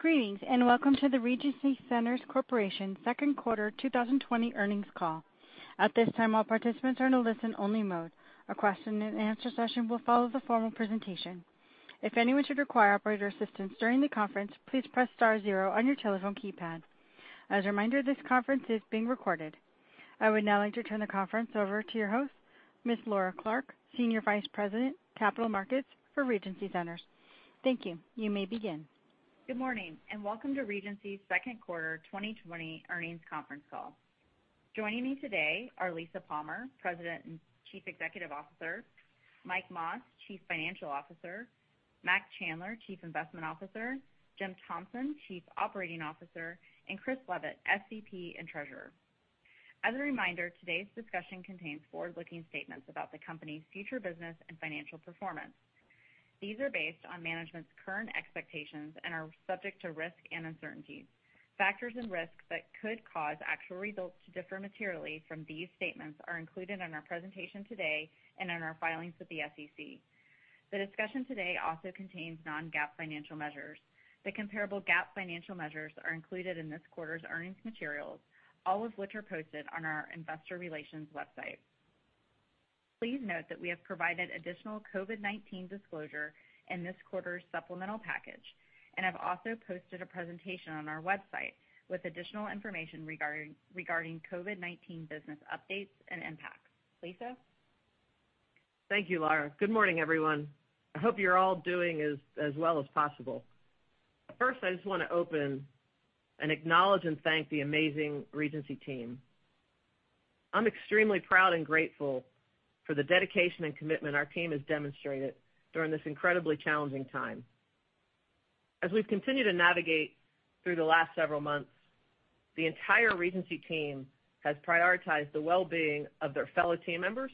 Greetings, and welcome to the Regency Centers Corporation second quarter 2020 earnings call. At this time, all participants are in a listen-only mode. A question-and-answer session will follow the formal presentation. If anyone should require operator assistance during the conference, please press star zero on your telephone keypad. As a reminder, this conference is being recorded. I would now like to turn the conference over to your host, Ms. Laura Clark, Senior Vice President, Capital Markets for Regency Centers. Thank you. You may begin. Good morning, and welcome to Regency's second quarter 2020 earnings conference call. Joining me today are Lisa Palmer, President and Chief Executive Officer; Mike Mas, Chief Financial Officer; Mac Chandler, Chief Investment Officer; Jim Thompson, Chief Operating Officer; and Chris Leavitt, SVP and Treasurer. As a reminder, today's discussion contains forward-looking statements about the company's future business and financial performance. These are based on management's current expectations and are subject to risk and uncertainty. Factors and risks that could cause actual results to differ materially from these statements are included in our presentation today and in our filings with the SEC. The discussion today also contains non-GAAP financial measures. The comparable GAAP financial measures are included in this quarter's earnings materials, all of which are posted on our investor relations website. Please note that we have provided additional COVID-19 disclosure in this quarter's supplemental package, and have also posted a presentation on our website with additional information regarding COVID-19 business updates and impacts. Lisa? Thank you, Laura. Good morning, everyone. I hope you're all doing as well as possible. First, I just want to open and acknowledge and thank the amazing Regency team. I'm extremely proud and grateful for the dedication and commitment our team has demonstrated during this incredibly challenging time. As we've continued to navigate through the last several months, the entire Regency team has prioritized the well-being of their fellow team members,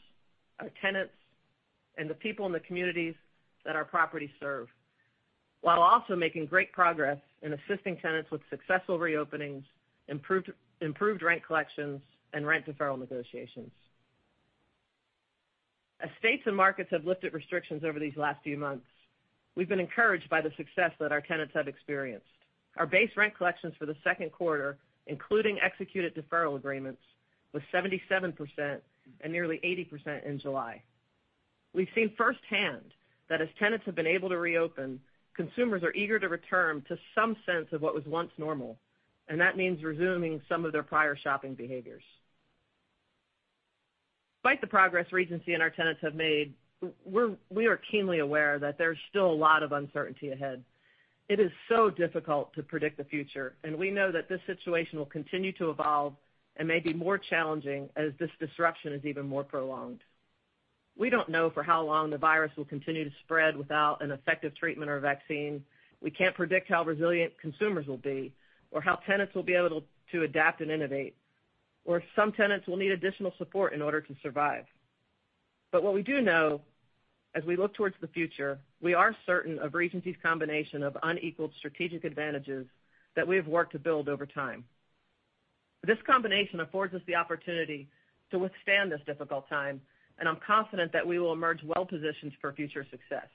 our tenants, and the people in the communities that our properties serve, while also making great progress in assisting tenants with successful reopenings, improved rent collections, and rent deferral negotiations. As states and markets have lifted restrictions over these last few months, we've been encouraged by the success that our tenants have experienced. Our base rent collections for the second quarter, including executed deferral agreements, was 77%, and nearly 80% in July. We've seen firsthand that as tenants have been able to reopen, consumers are eager to return to some sense of what was once normal, that means resuming some of their prior shopping behaviors. Despite the progress Regency and our tenants have made, we are keenly aware that there's still a lot of uncertainty ahead. It is so difficult to predict the future, we know that this situation will continue to evolve and may be more challenging as this disruption is even more prolonged. We don't know for how long the virus will continue to spread without an effective treatment or a vaccine. We can't predict how resilient consumers will be, how tenants will be able to adapt and innovate, if some tenants will need additional support in order to survive. What we do know, as we look towards the future, we are certain of Regency's combination of unequaled strategic advantages that we have worked to build over time. This combination affords us the opportunity to withstand this difficult time, and I'm confident that we will emerge well-positioned for future success.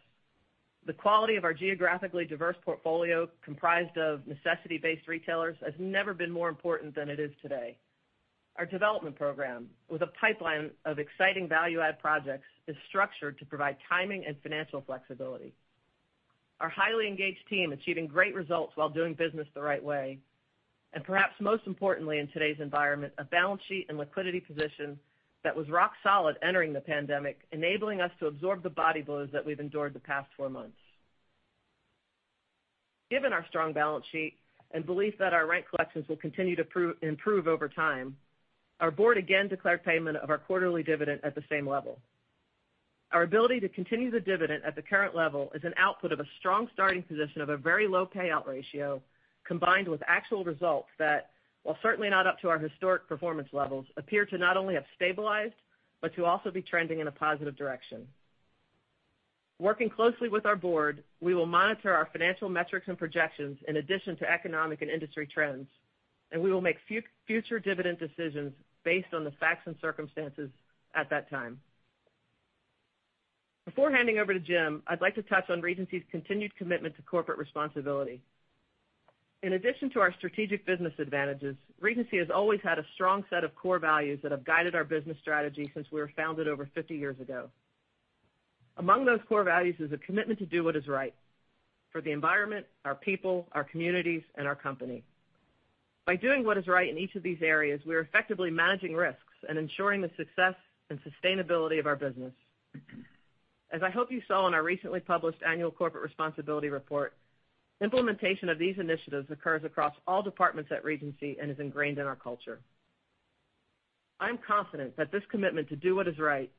The quality of our geographically diverse portfolio, comprised of necessity-based retailers, has never been more important than it is today. Our development program, with a pipeline of exciting value-add projects, is structured to provide timing and financial flexibility. Our highly engaged team achieving great results while doing business the right way. Perhaps most importantly in today's environment, a balance sheet and liquidity position that was rock solid entering the pandemic, enabling us to absorb the body blows that we've endured the past four months. Given our strong balance sheet and belief that our rent collections will continue to improve over time, our board again declared payment of our quarterly dividend at the same level. Our ability to continue the dividend at the current level is an output of a strong starting position of a very low payout ratio, combined with actual results that, while certainly not up to our historic performance levels, appear to not only have stabilized, but to also be trending in a positive direction. Working closely with our board, we will monitor our financial metrics and projections in addition to economic and industry trends, and we will make future dividend decisions based on the facts and circumstances at that time. Before handing over to Jim, I'd like to touch on Regency's continued commitment to corporate responsibility. In addition to our strategic business advantages, Regency has always had a strong set of core values that have guided our business strategy since we were founded over 50 years ago. Among those core values is a commitment to do what is right for the environment, our people, our communities, and our company. By doing what is right in each of these areas, we are effectively managing risks and ensuring the success and sustainability of our business. As I hope you saw in our recently published annual corporate responsibility report, implementation of these initiatives occurs across all departments at Regency and is ingrained in our culture. I'm confident that this commitment to do what is right,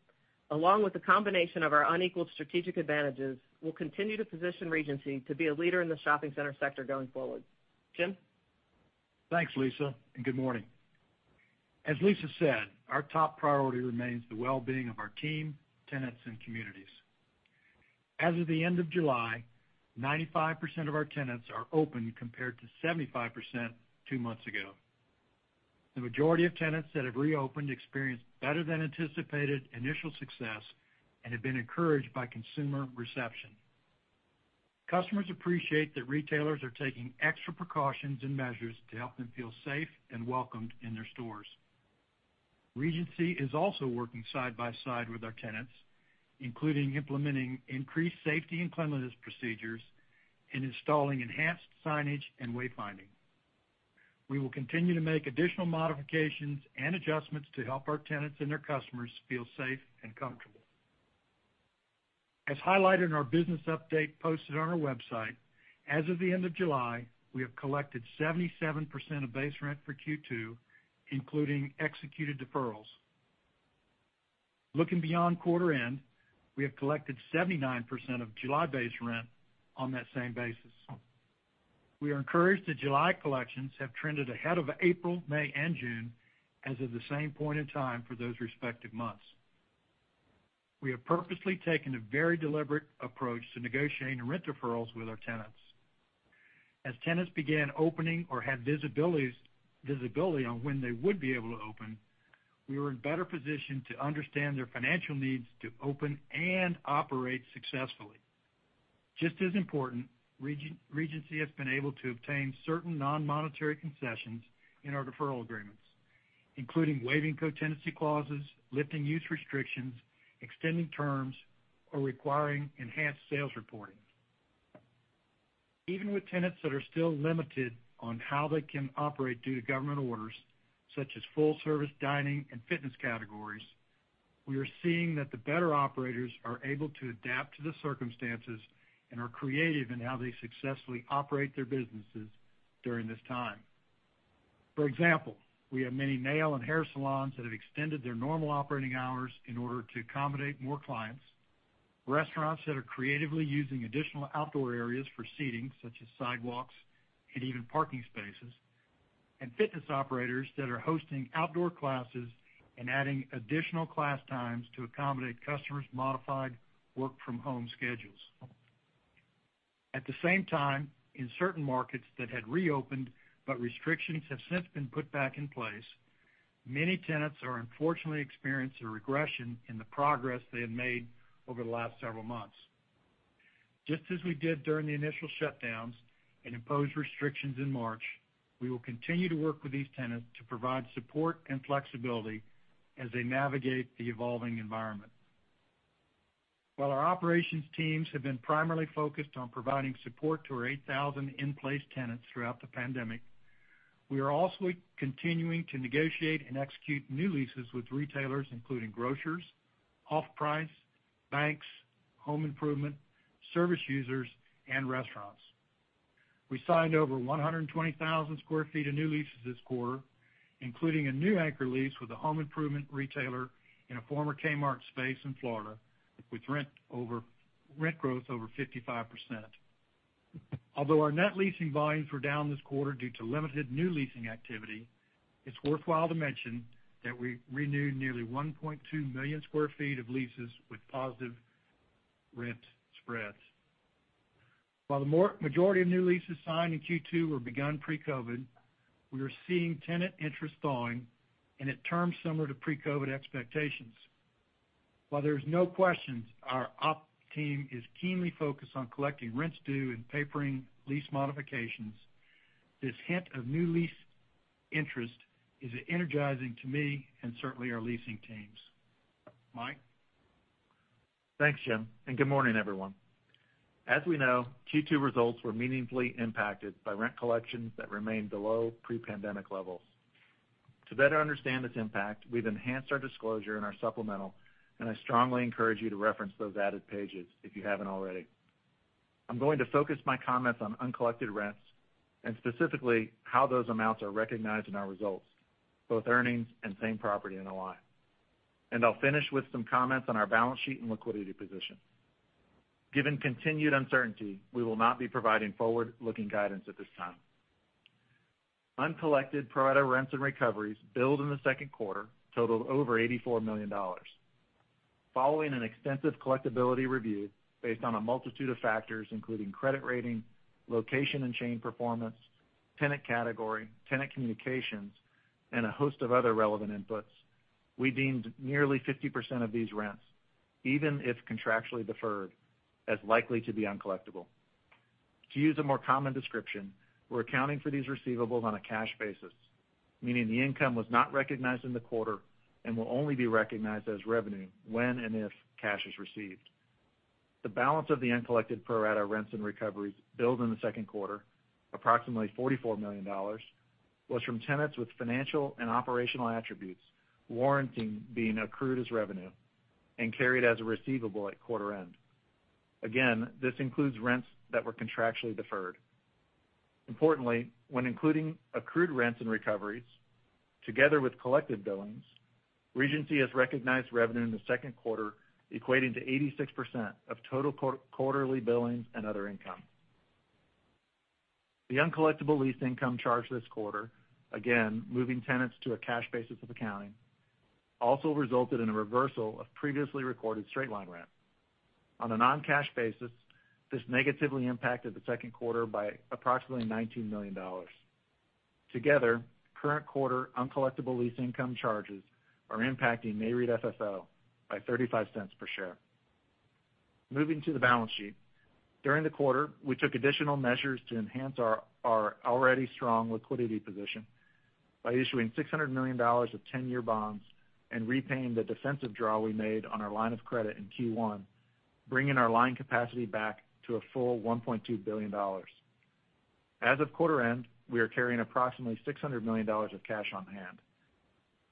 along with the combination of our unequaled strategic advantages, will continue to position Regency to be a leader in the shopping center sector going forward. Jim? Thanks, Lisa, and good morning. As Lisa said, our top priority remains the well-being of our team, tenants, and communities. As of the end of July, 95% of our tenants are open compared to 75% two months ago. The majority of tenants that have reopened experienced better than anticipated initial success and have been encouraged by consumer reception. Customers appreciate that retailers are taking extra precautions and measures to help them feel safe and welcomed in their stores. Regency is also working side by side with our tenants, including implementing increased safety and cleanliness procedures and installing enhanced signage and wayfinding. We will continue to make additional modifications and adjustments to help our tenants and their customers feel safe and comfortable. As highlighted in our business update posted on our website, as of the end of July, we have collected 77% of base rent for Q2, including executed deferrals. Looking beyond quarter end, we have collected 79% of July base rent on that same basis. We are encouraged that July collections have trended ahead of April, May, and June as of the same point in time for those respective months. We have purposely taken a very deliberate approach to negotiating rent deferrals with our tenants. As tenants began opening or had visibility on when they would be able to open, we were in better position to understand their financial needs to open and operate successfully. Just as important, Regency has been able to obtain certain non-monetary concessions in our deferral agreements, including waiving co-tenancy clauses, lifting use restrictions, extending terms, or requiring enhanced sales reporting. Even with tenants that are still limited on how they can operate due to government orders, such as full-service dining and fitness categories, we are seeing that the better operators are able to adapt to the circumstances and are creative in how they successfully operate their businesses during this time. For example, we have many nail and hair salons that have extended their normal operating hours in order to accommodate more clients, restaurants that are creatively using additional outdoor areas for seating, such as sidewalks and even parking spaces, and fitness operators that are hosting outdoor classes and adding additional class times to accommodate customers' modified work-from-home schedules. At the same time, in certain markets that had reopened but restrictions have since been put back in place, many tenants are unfortunately experiencing a regression in the progress they have made over the last several months. Just as we did during the initial shutdowns and imposed restrictions in March, we will continue to work with these tenants to provide support and flexibility as they navigate the evolving environment. While our operations teams have been primarily focused on providing support to our 8,000 in-place tenants throughout the pandemic, we are also continuing to negotiate and execute new leases with retailers including grocers, off-price, banks, home improvement, service users, and restaurants. We signed over 120,000 sq ft of new leases this quarter, including a new anchor lease with a home improvement retailer in a former Kmart space in Florida with rent growth over 55%. Although our net leasing volumes were down this quarter due to limited new leasing activity, it's worthwhile to mention that we renewed nearly 1.2 million square feet of leases with positive rent spreads. While the majority of new leases signed in Q2 were begun pre-COVID, we are seeing tenant interest thawing and at terms similar to pre-COVID expectations. While there's no question our op team is keenly focused on collecting rents due and papering lease modifications, this hint of new lease interest is energizing to me and certainly our leasing teams. Mike? Thanks, Jim. Good morning, everyone. As we know, Q2 results were meaningfully impacted by rent collections that remained below pre-pandemic levels. To better understand this impact, we've enhanced our disclosure in our supplemental. I strongly encourage you to reference those added pages, if you haven't already. I'm going to focus my comments on uncollected rents and specifically how those amounts are recognized in our results, both earnings and same-property NOI. I'll finish with some comments on our balance sheet and liquidity position. Given continued uncertainty, we will not be providing forward-looking guidance at this time. Uncollected pro-rata rents and recoveries billed in the second quarter totaled over $84 million. Following an extensive collectibility review based on a multitude of factors including credit rating, location and chain performance, tenant category, tenant communications, and a host of other relevant inputs, we deemed nearly 50% of these rents, even if contractually deferred, as likely to be uncollectible. To use a more common description, we're accounting for these receivables on a cash basis, meaning the income was not recognized in the quarter and will only be recognized as revenue when and if cash is received. The balance of the uncollected pro rata rents and recoveries billed in the second quarter, approximately $44 million, was from tenants with financial and operational attributes warranting being accrued as revenue and carried as a receivable at quarter end. Again, this includes rents that were contractually deferred. Importantly, when including accrued rents and recoveries together with collected billings, Regency has recognized revenue in the second quarter equating to 86% of total quarterly billings and other income. The uncollectible lease income charge this quarter, again, moving tenants to a cash basis of accounting, also resulted in a reversal of previously recorded straight-line rent. On a non-cash basis, this negatively impacted the second quarter by approximately $19 million. Together, current quarter uncollectible lease income charges are impacting Nareit FFO by $0.35 per share. Moving to the balance sheet. During the quarter, we took additional measures to enhance our already strong liquidity position by issuing $600 million of 10-year bonds and repaying the defensive draw we made on our line of credit in Q1, bringing our line capacity back to a full $1.2 billion. As of quarter end, we are carrying approximately $600 million of cash on hand.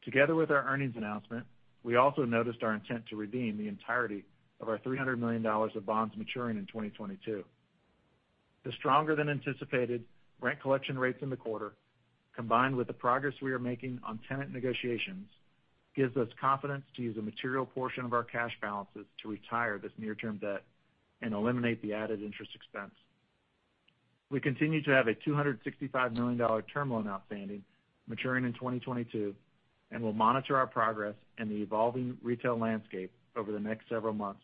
Together with our earnings announcement, we also noted our intent to redeem the entirety of our $300 million of bonds maturing in 2022. The stronger than anticipated rent collection rates in the quarter, combined with the progress we are making on tenant negotiations, gives us confidence to use a material portion of our cash balances to retire this near-term debt and eliminate the added interest expense. We continue to have a $265 million term loan outstanding, maturing in 2022, and will monitor our progress in the evolving retail landscape over the next several months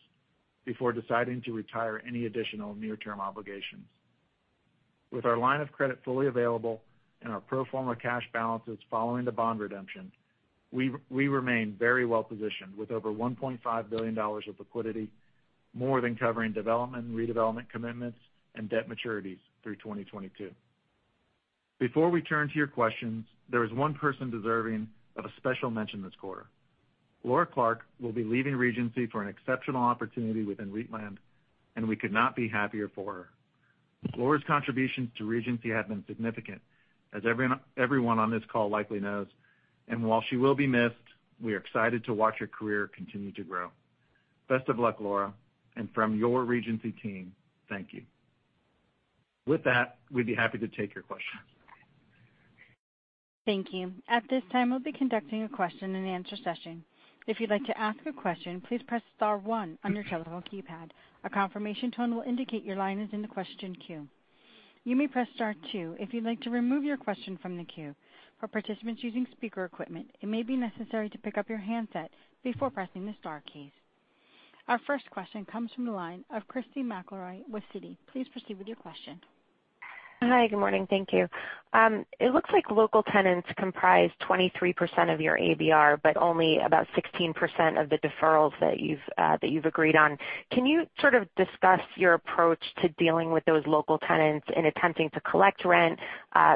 before deciding to retire any additional near-term obligations. With our line of credit fully available and our pro forma cash balances following the bond redemption, we remain very well-positioned with over $1.5 billion of liquidity, more than covering development and redevelopment commitments and debt maturities through 2022. Before we turn to your questions, there is one person deserving of a special mention this quarter. Laura Clark will be leaving Regency for an exceptional opportunity within REIT land, and we could not be happier for her. Laura's contributions to Regency have been significant, as everyone on this call likely knows. While she will be missed, we are excited to watch her career continue to grow. Best of luck, Laura, and from your Regency team, thank you. With that, we'd be happy to take your questions. Thank you. At this time, we'll be conducting a question-and-answer session. If you'd like to ask a question, please press star one on your telephone keypad. A confirmation tone will indicate your line is in the question queue. You may press star two if you'd like to remove your question from the queue. For participants using speaker equipment, it may be necessary to pick up your handset before pressing the star keys. Our first question comes from the line of Christy McElroy with Citi. Please proceed with your question. Hi. Good morning. Thank you. It looks like local tenants comprise 23% of your ABR, but only about 16% of the deferrals that you've agreed on. Can you sort of discuss your approach to dealing with those local tenants in attempting to collect rent,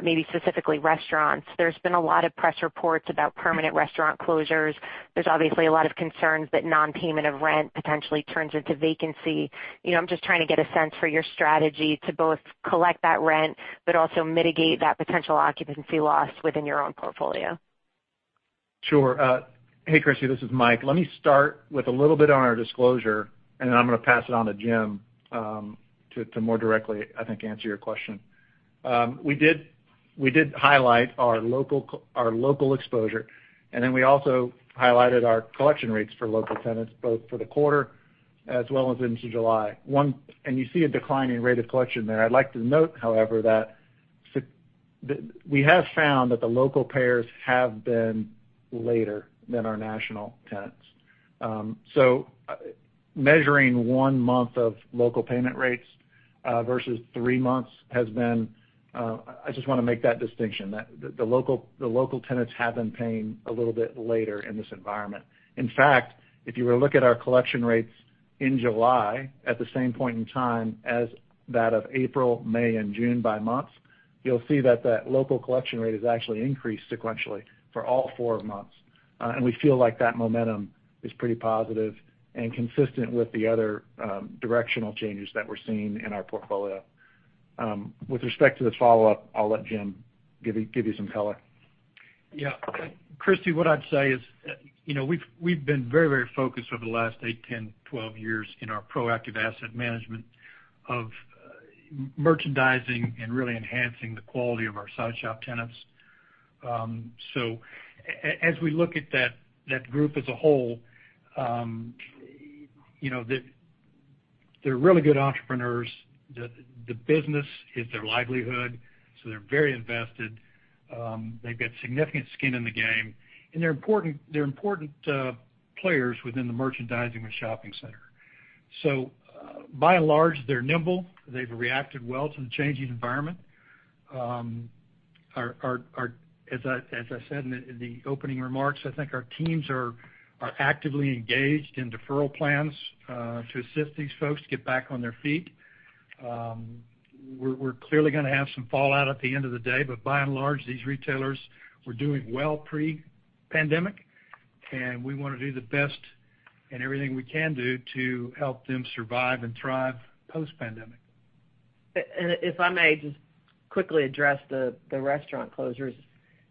maybe specifically restaurants? There's been a lot of press reports about permanent restaurant closures. There's obviously a lot of concerns that non-payment of rent potentially turns into vacancy. I'm just trying to get a sense for your strategy to both collect that rent, but also mitigate that potential occupancy loss within your own portfolio. Sure. Hey, Christy. This is Mike. Let me start with a little bit on our disclosure, then I'm going to pass it on to Jim to more directly, I think, answer your question. We did highlight our local exposure, then we also highlighted our collection rates for local tenants, both for the quarter as well as into July. You see a decline in rate of collection there. I'd like to note, however, that we have found that the local payers have been later than our national tenants. Measuring one month of local payment rates versus three months, I just want to make that distinction, that the local tenants have been paying a little bit later in this environment. In fact, if you were to look at our collection rates in July at the same point in time as that of April, May, and June by months, you'll see that that local collection rate has actually increased sequentially for all four months. We feel like that momentum is pretty positive and consistent with the other directional changes that we're seeing in our portfolio. With respect to the follow-up, I'll let Jim give you some color. Yeah. Christy, what I'd say is we've been very focused over the last eight, 10, 12 years in our proactive asset management of merchandising and really enhancing the quality of our side shop tenants. As we look at that group as a whole, they're really good entrepreneurs. The business is their livelihood, so they're very invested. They've got significant skin in the game, and they're important players within the merchandising and shopping center. By and large, they're nimble. They've reacted well to the changing environment. As I said in the opening remarks, I think our teams are actively engaged in deferral plans to assist these folks get back on their feet. We're clearly going to have some fallout at the end of the day, but by and large, these retailers were doing well pre-pandemic, and we want to do the best and everything we can do to help them survive and thrive post-pandemic. If I may just quickly address the restaurant closures.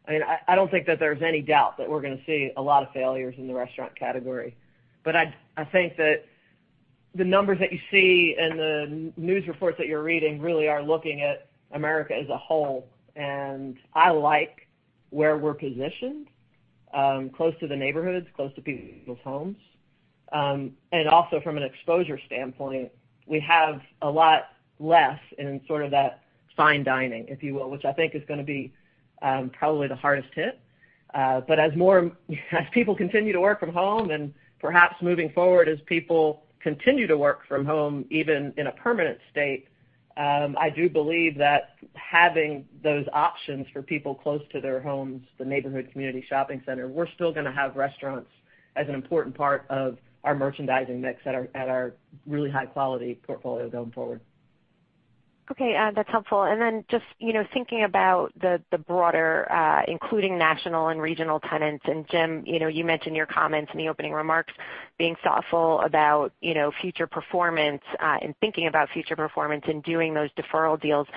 I don't think that there's any doubt that we're going to see a lot of failures in the restaurant category. I think that the numbers that you see and the news reports that you're reading really are looking at America as a whole, and I like where we're positioned, close to the neighborhoods, close to people's homes. Also from an exposure standpoint, we have a lot less in sort of that fine dining, if you will, which I think is going to be probably the hardest hit. As people continue to work from home and perhaps moving forward as people continue to work from home, even in a permanent state, I do believe that having those options for people close to their homes, the neighborhood community shopping center, we're still going to have restaurants as an important part of our merchandising mix at our really high-quality portfolio going forward. Okay, that's helpful. Just thinking about the broader, including national and regional tenants, Jim, you mentioned in your comments in the opening remarks being thoughtful about future performance and thinking about future performance and doing those deferral deals.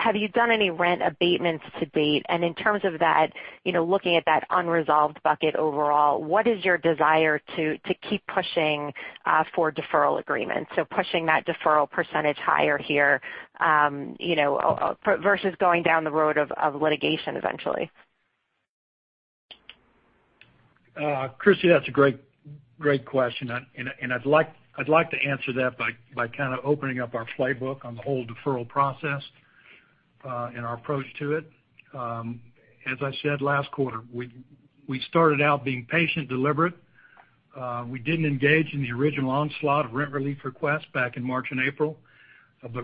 Have you done any rent abatements to date? In terms of that, looking at that unresolved bucket overall, what is your desire to keep pushing for deferral agreements? Pushing that deferral percentage higher here, versus going down the road of litigation eventually. Christy, that's a great question. I'd like to answer that by kind of opening up our playbook on the whole deferral process, and our approach to it. As I said last quarter, we started out being patient, deliberate. We didn't engage in the original onslaught of rent relief requests back in March and April.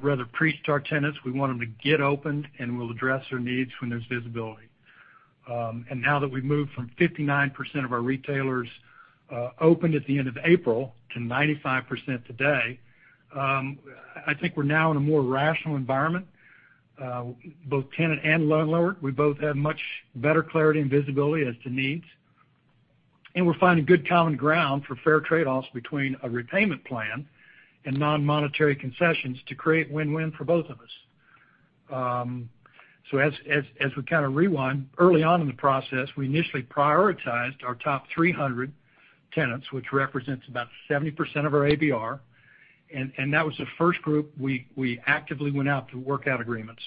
Rather preached to our tenants, we want them to get opened, and we'll address their needs when there's visibility. Now that we've moved from 59% of our retailers, opened at the end of April to 95% today, I think we're now in a more rational environment, both tenant and landlord. We both have much better clarity and visibility as to needs. We're finding good common ground for fair trade-offs between a repayment plan and non-monetary concessions to create win-win for both of us. As we kind of rewind, early on in the process, we initially prioritized our top 300 tenants, which represents about 70% of our ABR, and that was the first group we actively went out to work out agreements.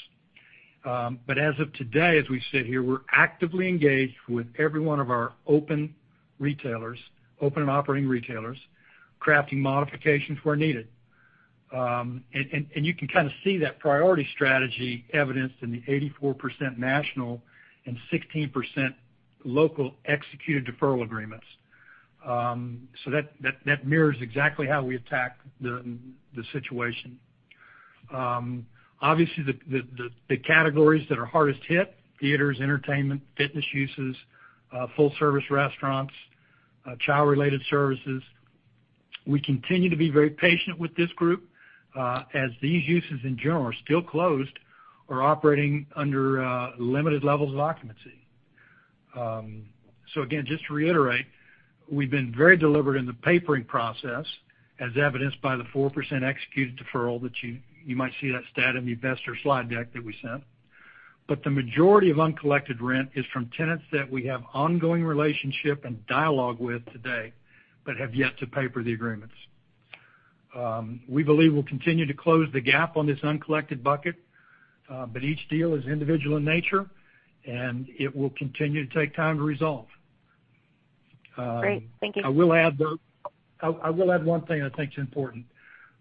As of today, as we sit here, we're actively engaged with every one of our open and operating retailers, crafting modifications where needed. You can kind of see that priority strategy evidenced in the 84% national and 16% local executed deferral agreements. That mirrors exactly how we attack the situation. Obviously, the categories that are hardest hit, theaters, entertainment, fitness uses, full service restaurants, child related services. We continue to be very patient with this group, as these uses in general are still closed or operating under limited levels of occupancy. Again, just to reiterate, we've been very deliberate in the papering process, as evidenced by the 4% executed deferral that you might see that stat in the investor slide deck that we sent. The majority of uncollected rent is from tenants that we have ongoing relationship and dialogue with today, but have yet to paper the agreements. We believe we'll continue to close the gap on this uncollected bucket, but each deal is individual in nature, and it will continue to take time to resolve. Great. Thank you. I will add one thing I think is important.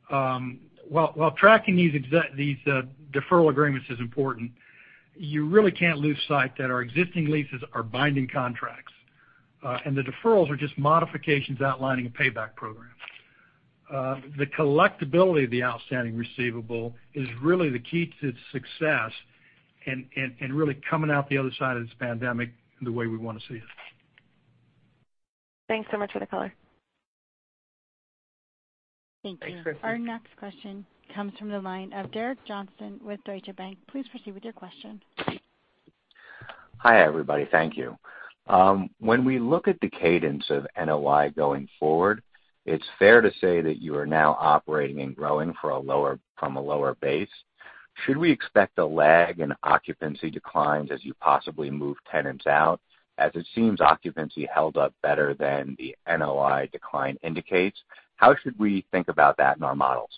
While tracking these deferral agreements is important, you really can't lose sight that our existing leases are binding contracts. The deferrals are just modifications outlining a payback program. The collectibility of the outstanding receivable is really the key to success and really coming out the other side of this pandemic the way we want to see it. Thanks so much for the color. Thanks, Christy. Thank you. Our next question comes from the line of Derek Johnston with Deutsche Bank. Please proceed with your question. Hi, everybody. Thank you. When we look at the cadence of NOI going forward, it is fair to say that you are now operating and growing from a lower base. Should we expect a lag in occupancy declines as you possibly move tenants out, as it seems occupancy held up better than the NOI decline indicates? How should we think about that in our models?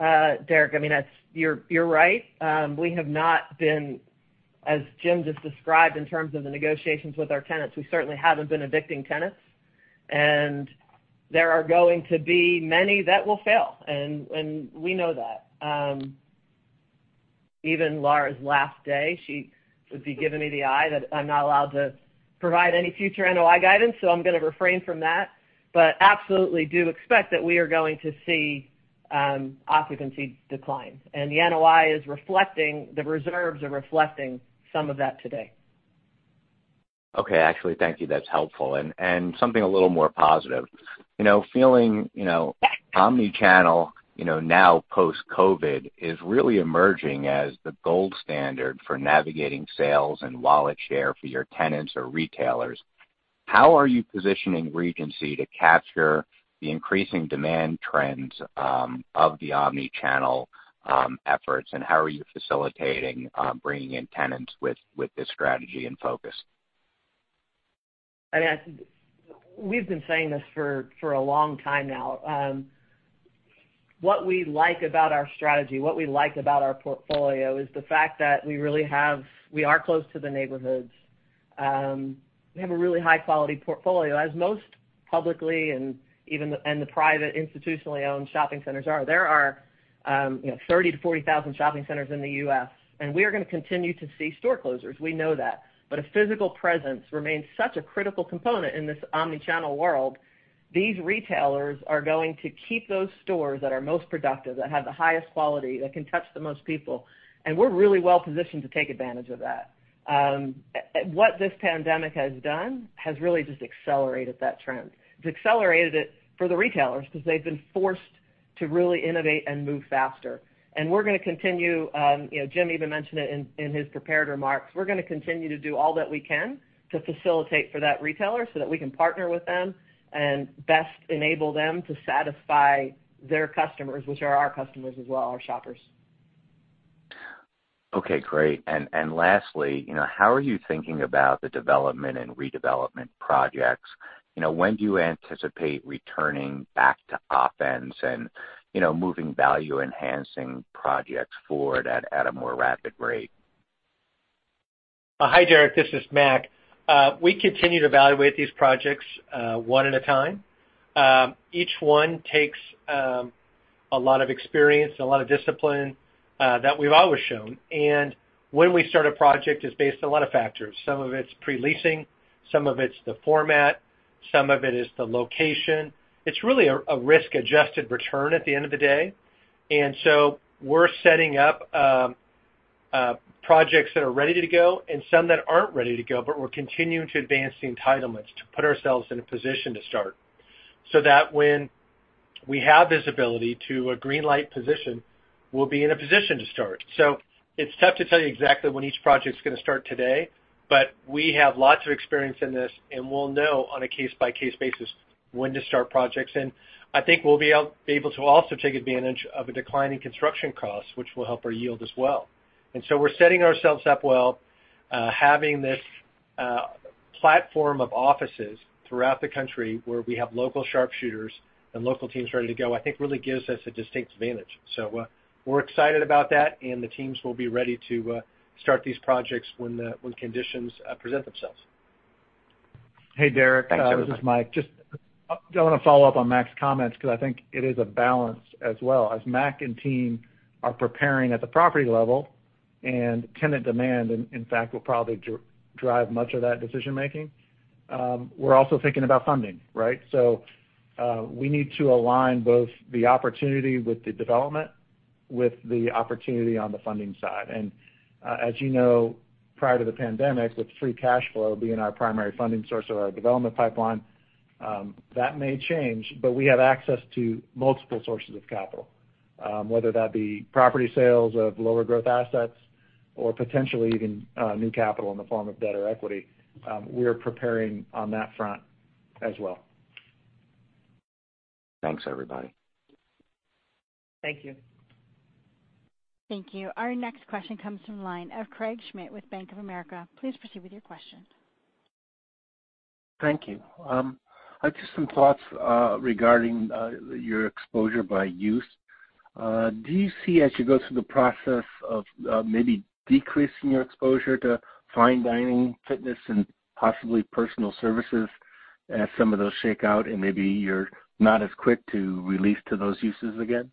Derek, you're right. We have not been, as Jim just described in terms of the negotiations with our tenants, we certainly haven't been evicting tenants. There are going to be many that will fail. We know that. Even Laura's last day, she would be giving me the eye that I'm not allowed to provide any future NOI guidance, so I'm going to refrain from that. Absolutely do expect that we are going to see occupancy declines. The NOI is reflecting, the reserves are reflecting some of that today. Okay. Actually, thank you. That's helpful. Something a little more positive. Feeling omnichannel now post-COVID is really emerging as the gold standard for navigating sales and wallet share for your tenants or retailers. How are you positioning Regency to capture the increasing demand trends of the omnichannel efforts, and how are you facilitating bringing in tenants with this strategy and focus? We've been saying this for a long time now. What we like about our strategy, what we like about our portfolio is the fact that we are close to the neighborhoods. We have a really high-quality portfolio, as most publicly and the private institutionally owned shopping centers are. 30,000-40,000 shopping centers in the U.S. We are going to continue to see store closures. We know that. A physical presence remains such a critical component in this omni-channel world. These retailers are going to keep those stores that are most productive, that have the highest quality, that can touch the most people. We're really well-positioned to take advantage of that. What this pandemic has done has really just accelerated that trend. It's accelerated it for the retailers because they've been forced to really innovate and move faster. We're going to continue, Jim even mentioned it in his prepared remarks, we're going to continue to do all that we can to facilitate for that retailer so that we can partner with them and best enable them to satisfy their customers, which are our customers as well, our shoppers. Okay, great. Lastly, how are you thinking about the development and redevelopment projects? When do you anticipate returning back to offense and moving value-enhancing projects forward at a more rapid rate? Hi, Derek, this is Mac. We continue to evaluate these projects one at a time. Each one takes a lot of experience and a lot of discipline that we've always shown. When we start a project, it's based on a lot of factors. Some of it's pre-leasing, some of it's the format, some of it is the location. It's really a risk-adjusted return at the end of the day. We're setting up projects that are ready to go and some that aren't ready to go, but we're continuing to advance the entitlements to put ourselves in a position to start, so that when we have this ability to a green light position, we'll be in a position to start. It's tough to tell you exactly when each project's going to start today, but we have lots of experience in this, and we'll know on a case-by-case basis when to start projects. I think we'll be able to also take advantage of a decline in construction costs, which will help our yield as well. We're setting ourselves up well, having this platform of offices throughout the country where we have local sharpshooters and local teams ready to go, I think really gives us a distinct advantage. We're excited about that, and the teams will be ready to start these projects when conditions present themselves. Hey, Derek. Thanks, everyone. This is Mike. I want to follow up on Mac's comments because I think it is a balance as well. As Mac and team are preparing at the property level and tenant demand, in fact, will probably drive much of that decision-making, we're also thinking about funding, right? We need to align both the opportunity with the development, with the opportunity on the funding side. As you know, prior to the pandemic, with free cash flow being our primary funding source of our development pipeline, that may change, but we have access to multiple sources of capital, whether that be property sales of lower growth assets or potentially even new capital in the form of debt or equity. We are preparing on that front as well. Thanks, everybody. Thank you. Thank you. Our next question comes from the line of Craig Schmidt with Bank of America. Please proceed with your question. Thank you. Just some thoughts regarding your exposure by use. Do you see, as you go through the process of maybe decreasing your exposure to fine dining, fitness, and possibly personal services as some of those shake out and maybe you're not as quick to release to those uses again?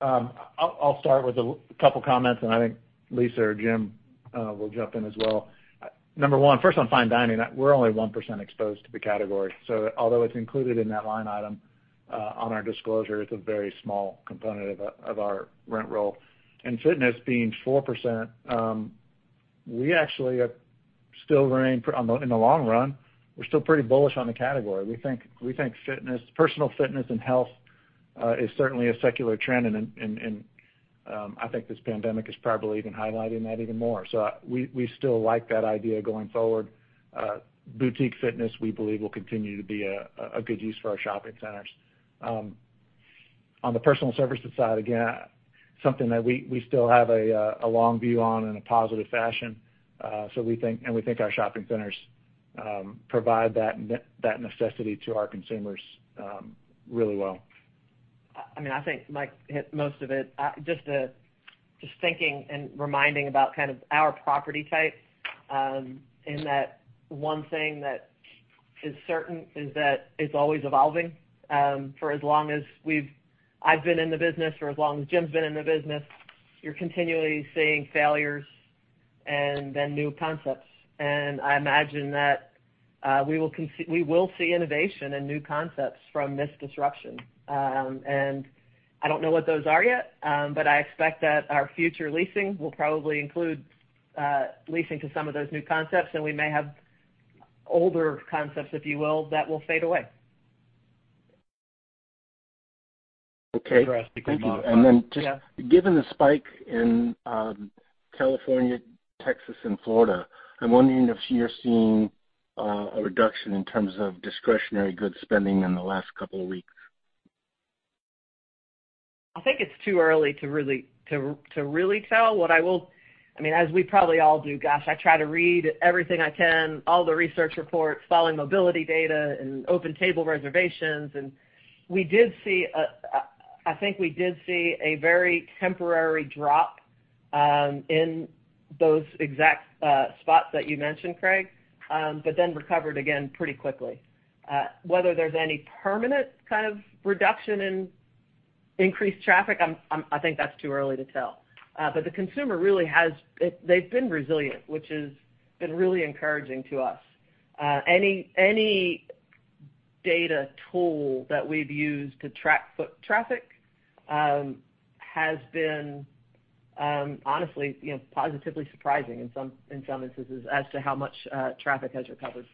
I'll start with a couple of comments, and I think Lisa or Jim will jump in as well. Number one, first on fine dining, we're only 1% exposed to the category. Although it's included in that line item on our disclosure, it's a very small component of our rent roll. Fitness being 4%, we actually still remain, in the long run, we're still pretty bullish on the category. We think personal fitness and health is certainly a secular trend, and I think this pandemic is probably even highlighting that even more. We still like that idea going forward. Boutique fitness, we believe, will continue to be a good use for our shopping centers. On the personal services side, again, something that we still have a long view on in a positive fashion, and we think our shopping centers provide that necessity to our consumers really well. I think Mike hit most of it. Just thinking and reminding about kind of our property type, in that one thing that is certain is that it's always evolving. For as long as I've been in the business or as long as Jim's been in the business, you're continually seeing failures and then new concepts. I imagine that we will see innovation and new concepts from this disruption. I don't know what those are yet, but I expect that our future leasing will probably include leasing to some of those new concepts, and we may have older concepts, if you will, that will fade away. Okay. Thank you. Then just given the spike in California, Texas, and Florida, I'm wondering if you're seeing a reduction in terms of discretionary goods spending in the last couple of weeks. I think it's too early to really tell. As we probably all do, gosh, I try to read everything I can, all the research reports, following mobility data and OpenTable reservations. I think we did see a very temporary drop In those exact spots that you mentioned, Craig, recovered again pretty quickly. Whether there's any permanent kind of reduction in increased traffic, I think that's too early to tell. The consumer really they've been resilient, which has been really encouraging to us. Any data tool that we've used to track foot traffic has been honestly positively surprising in some instances as to how much traffic has recovered.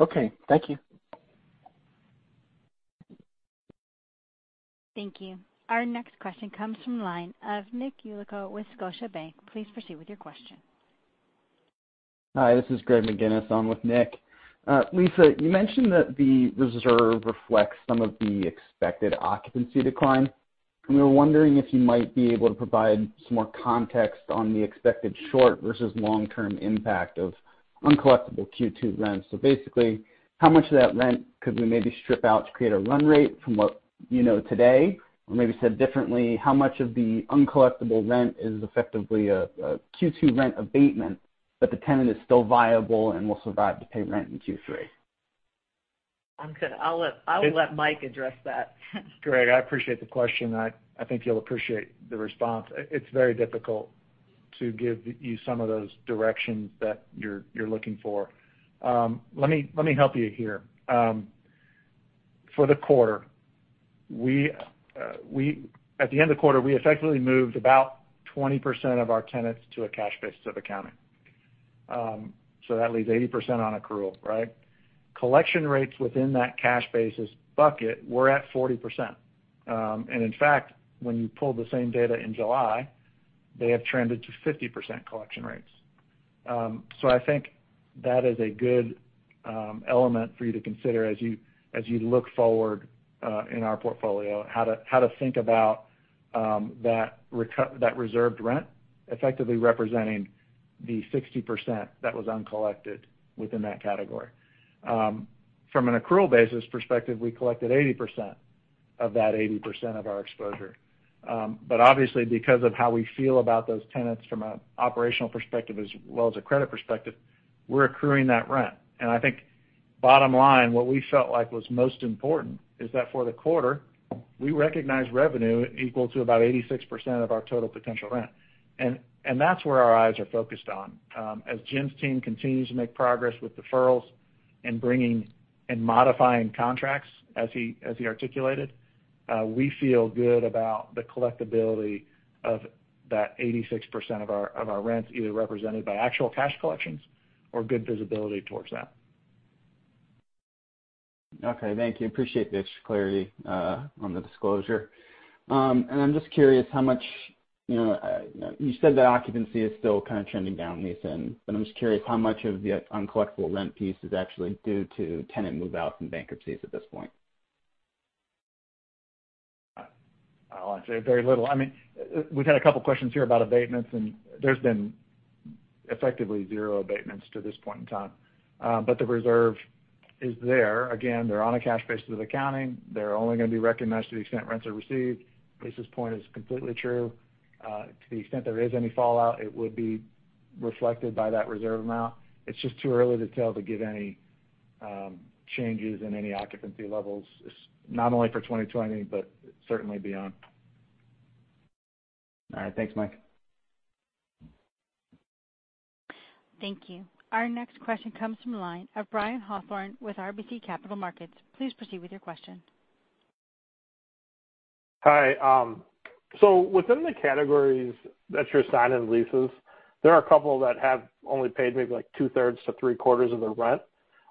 Okay, thank you. Thank you. Our next question comes from the line of Nick Yulico with Scotiabank. Please proceed with your question. Hi, this is Greg McGinniss on with Nick. Lisa, you mentioned that the reserve reflects some of the expected occupancy decline. We were wondering if you might be able to provide some more context on the expected short versus long-term impact of uncollectible Q2 rents. Basically, how much of that rent could we maybe strip out to create a run rate from what you know today? Maybe said differently, how much of the uncollectible rent is effectively a Q2 rent abatement, but the tenant is still viable and will survive to pay rent in Q3? I'll let Mike address that. Greg, I appreciate the question. I think you'll appreciate the response. It's very difficult to give you some of those directions that you're looking for. Let me help you here. For the quarter, at the end of the quarter, we effectively moved about 20% of our tenants to a cash basis of accounting. That leaves 80% on accrual, right? Collection rates within that cash basis bucket were at 40%. In fact, when you pull the same data in July, they have trended to 50% collection rates. I think that is a good element for you to consider as you look forward in our portfolio, how to think about that reserved rent effectively representing the 60% that was uncollected within that category. From an accrual basis perspective, we collected 80% of that 80% of our exposure. Obviously, because of how we feel about those tenants from an operational perspective as well as a credit perspective, we're accruing that rent. I think bottom line, what we felt like was most important is that for the quarter, we recognized revenue equal to about 86% of our total potential rent. That's where our eyes are focused on. As Jim's team continues to make progress with deferrals and bringing and modifying contracts as he articulated, we feel good about the collectibility of that 86% of our rent, either represented by actual cash collections or good visibility towards that. Okay, thank you. Appreciate the extra clarity on the disclosure. I'm just curious how much you said that occupancy is still kind of trending down, Lisa, and but I'm just curious how much of the uncollectible rent piece is actually due to tenant move-outs and bankruptcies at this point? I'll say very little. We've had a couple of questions here about abatements, and there's been effectively zero abatements to this point in time. The reserve is there. Again, they're on a cash basis of accounting. They're only going to be recognized to the extent rents are received. Lisa's point is completely true. To the extent there is any fallout, it would be reflected by that reserve amount. It's just too early to tell to give any changes in any occupancy levels, not only for 2020, but certainly beyond. All right. Thanks, Mike. Thank you. Our next question comes from the line of Brian Hawthorne with RBC Capital Markets. Please proceed with your question. Hi. Within the categories that you're signing leases, there are two that have only paid maybe like two-thirds to three-quarters of their rent.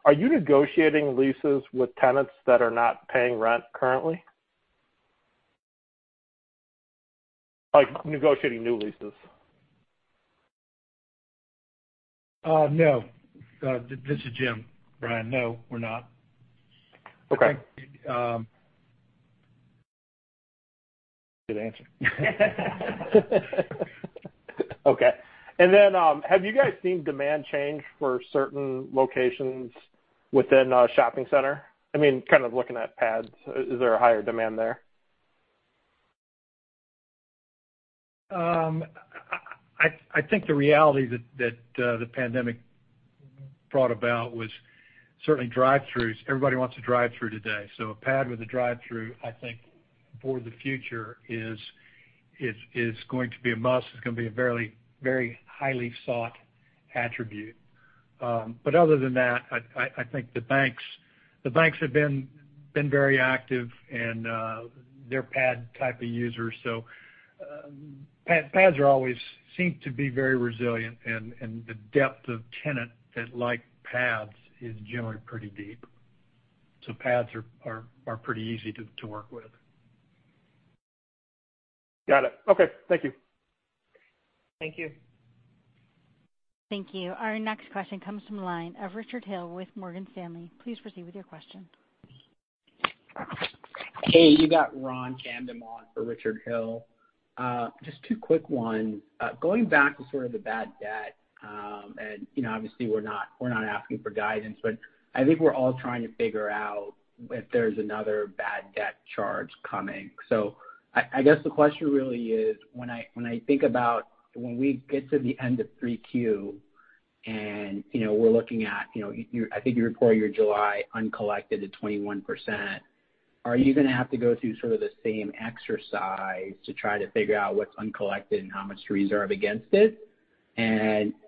Are you negotiating leases with tenants that are not paying rent currently, like negotiating new leases? No. This is Jim. Brian, no, we're not. Okay. I think. Good answer. Have you guys seen demand change for certain locations within a shopping center? Kind of looking at pads, is there a higher demand there? I think the reality that the pandemic brought about was certainly drive-throughs. Everybody wants a drive-through today. A pad with a drive-through, I think for the future is going to be a must. It's going to be a very highly sought attribute. Other than that, I think the banks have been very active and they're pad type of users. Pads always seem to be very resilient, and the depth of tenant that like pads is generally pretty deep. Pads are pretty easy to work with. Got it. Okay. Thank you. Thank you. Thank you. Our next question comes from the line of Richard Hill with Morgan Stanley. Please proceed with your question. Hey, you got Ron Kamdem on for Richard Hill. Just two quick ones. Going back to sort of the bad debt, obviously we're not asking for guidance, but I think we're all trying to figure out if there's another bad debt charge coming. I guess the question really is when we get to the end of 3Q. We're looking at, I think you report your July uncollected at 21%. Are you going to have to go through sort of the same exercise to try to figure out what's uncollected and how much to reserve against it?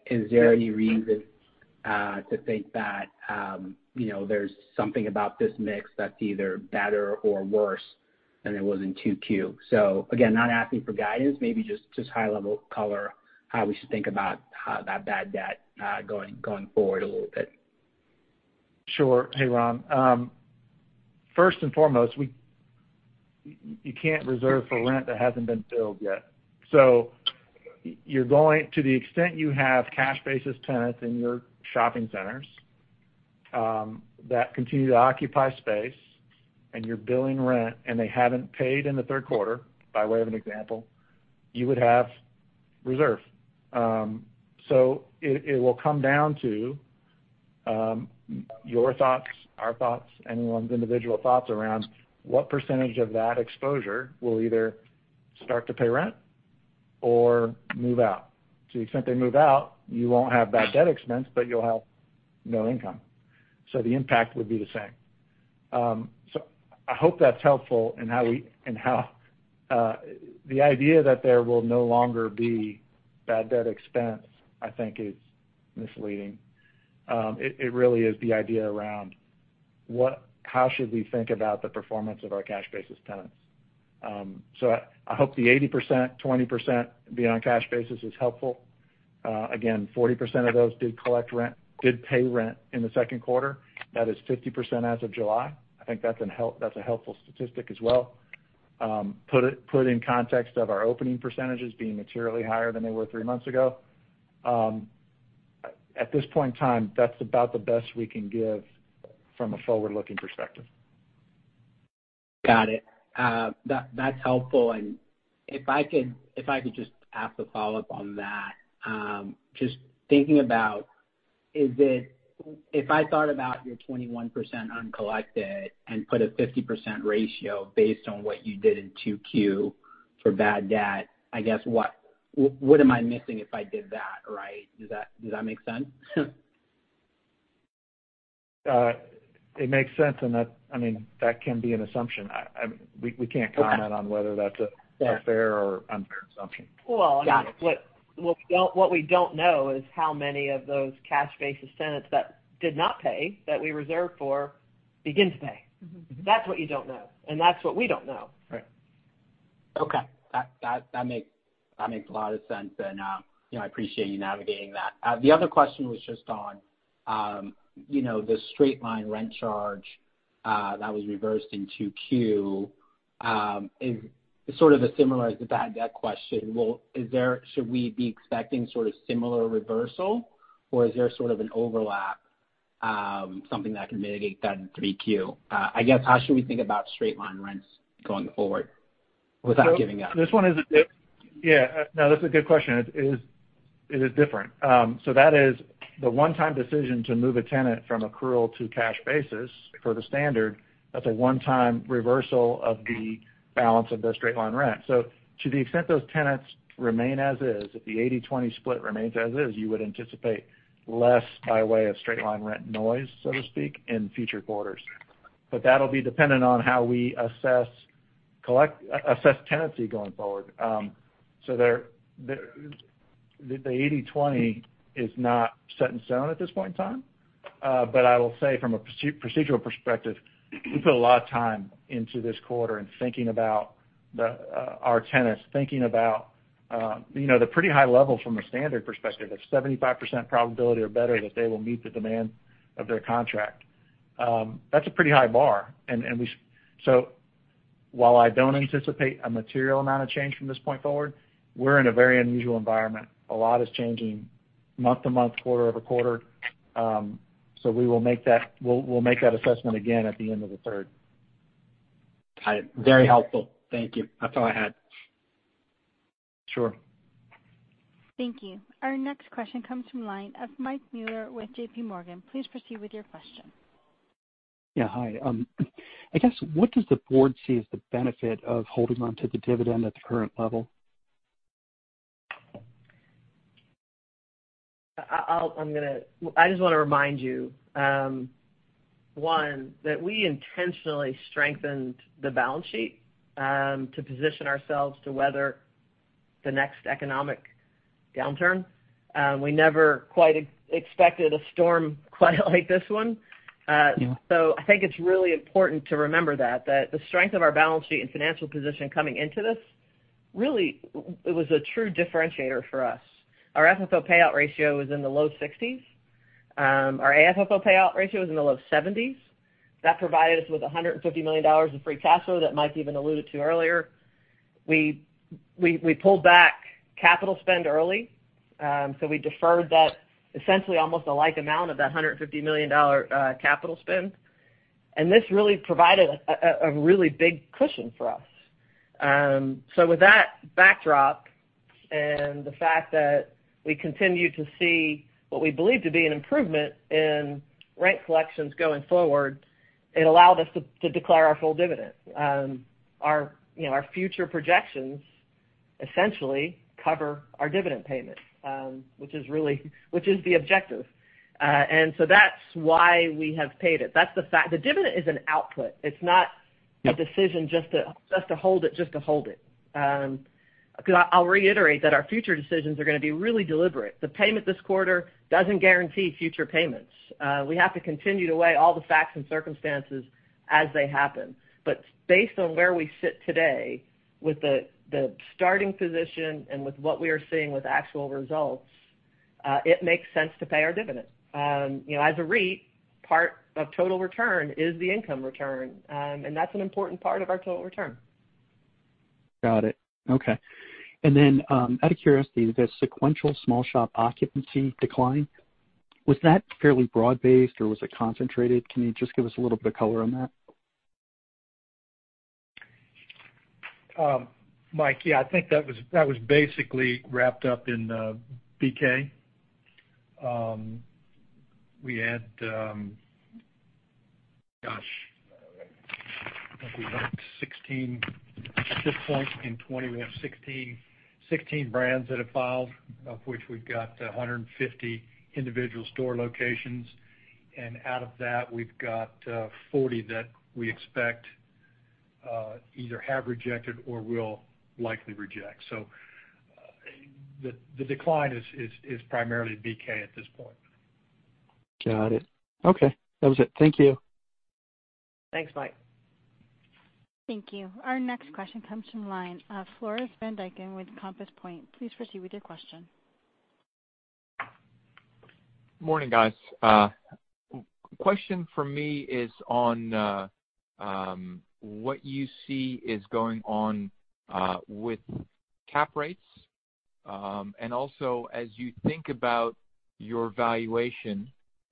Is there any reason to think that there's something about this mix that's either better or worse than it was in Q2? Again, not asking for guidance, maybe just high level color, how we should think about that bad debt going forward a little bit. Sure. Hey, Ron. First and foremost, you can't reserve for rent that hasn't been billed yet. To the extent you have cash basis tenants in your shopping centers that continue to occupy space, and you're billing rent, and they haven't paid in the third quarter, by way of an example, you would have reserve. It will come down to your thoughts, our thoughts, anyone's individual thoughts around what percentage of that exposure will either start to pay rent or move out. To the extent they move out, you won't have bad debt expense, but you'll have no income. The impact would be the same. I hope that's helpful in how the idea that there will no longer be bad debt expense, I think is misleading. It really is the idea around how should we think about the performance of our cash basis tenants. I hope the 80%/20% being on cash basis is helpful. 40% of those did pay rent in the second quarter. That is 50% as of July. I think that's a helpful statistic as well. Put in context of our opening percentages being materially higher than they were three months ago. At this point in time, that's about the best we can give from a forward-looking perspective. Got it. That's helpful. If I could just ask a follow-up on that. Just thinking about, if I thought about your 21% uncollected and put a 50% ratio based on what you did in Q2 for bad debt, I guess, what am I missing if I did that, right? Does that make sense? It makes sense, and that can be an assumption. We can't comment on whether that's a fair or unfair assumption. Well, what we don't know is how many of those cash basis tenants that did not pay, that we reserved for, begin to pay. That's what you don't know, and that's what we don't know. Right. Okay. That makes a lot of sense, and I appreciate you navigating that. The other question was just on the straight-line rent charge that was reversed in Q2. It is sort of similar as the bad debt question. Should we be expecting sort of similar reversal, or is there sort of an overlap, something that can mitigate that in Q3? I guess, how should we think about straight-line rents going forward without giving up? No, that's a good question. It is different. That is the one-time decision to move a tenant from accrual to cash basis for the standard. That's a one-time reversal of the balance of their straight-line rent. To the extent those tenants remain as is, if the 80/20 split remains as is, you would anticipate less by way of straight-line rent noise, so to speak, in future quarters. That'll be dependent on how we assess tenancy going forward. The 80/20 is not set in stone at this point in time. I will say from a procedural perspective, we put a lot of time into this quarter in thinking about our tenants, thinking about the pretty high level from a standard perspective of 75% probability or better that they will meet the demand of their contract. That's a pretty high bar. While I don't anticipate a material amount of change from this point forward, we're in a very unusual environment. A lot is changing month to month, quarter-over-quarter. We'll make that assessment again at the end of the third. Very helpful. Thank you. That's all I had. Sure. Thank you. Our next question comes from line of Mike Mueller with J.P. Morgan. Please proceed with your question. Yeah, hi. I guess, what does the board see as the benefit of holding onto the dividend at the current level? I just want to remind you, one, that we intentionally strengthened the balance sheet to position ourselves to weather the next economic downturn. We never quite expected a storm quite like this one. Yeah. I think it's really important to remember that. That the strength of our balance sheet and financial position coming into this, really, it was a true differentiator for us. Our FFO payout ratio was in the low 60s. Our AFFO payout ratio was in the low 70s. That provided us with $150 million of free cash flow that Mike even alluded to earlier. We pulled back capital spend early. We deferred that essentially almost a like amount of that $150 million capital spend. This really provided a really big cushion for us. With that backdrop and the fact that we continue to see what we believe to be an improvement in rent collections going forward, it allowed us to declare our full dividend. Our future projections essentially cover our dividend payment, which is the objective. That's why we have paid it. The dividend is an output. It's not a decision just to hold it. I'll reiterate that our future decisions are going to be really deliberate. The payment this quarter doesn't guarantee future payments. We have to continue to weigh all the facts and circumstances as they happen. Based on where we sit today with the starting position and with what we are seeing with actual results, it makes sense to pay our dividend. As a REIT, part of total return is the income return, and that's an important part of our total return. Got it. Okay. Out of curiosity, the sequential small shop occupancy decline, was that fairly broad-based, or was it concentrated? Can you just give us a little bit of color on that? Mike, yeah, I think that was basically wrapped up in BK. At this point in 2020, we have 16 brands that have filed, of which we've got 150 individual store locations. Out of that, we've got 40 that we expect either have rejected or will likely reject. The decline is primarily BK at this point. Got it. Okay. That was it. Thank you. Thanks, Mike. Thank you. Our next question comes from the line of Floris van Dijkum with Compass Point. Please proceed with your question. Morning, guys. Question from me is on what you see is going on with cap rates. Also, as you think about your valuation,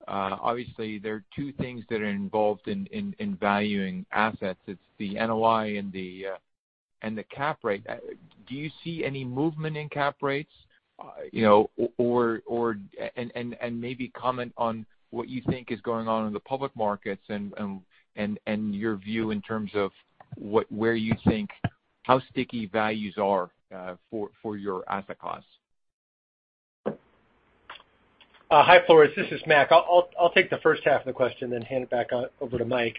obviously there are two things that are involved in valuing assets. It's the NOI and the cap rate. Do you see any movement in cap rates? Maybe comment on what you think is going on in the public markets and your view in terms of how sticky values are for your asset class. Hi, Floris. This is Mac. I'll take the first half of the question, then hand it back over to Mike.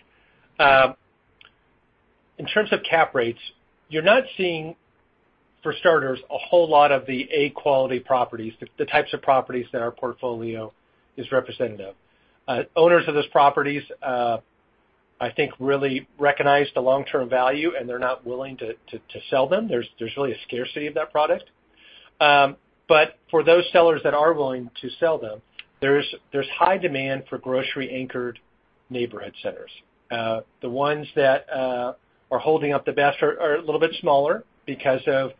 In terms of cap rates, you're not seeing, for starters, a whole lot of the A quality properties, the types of properties that our portfolio is representative. Owners of those properties, I think really recognize the long-term value, and they're not willing to sell them. There's really a scarcity of that product. For those sellers that are willing to sell them, there's high demand for grocery anchored neighborhood centers. The ones that are holding up the best are a little bit smaller because of